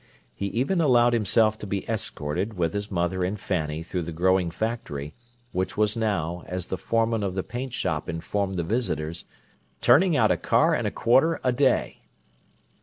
He even allowed himself to be escorted with his mother and Fanny through the growing factory, which was now, as the foreman of the paint shop informed the visitors, "turning out a car and a quarter a day."